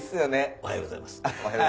おはようございます。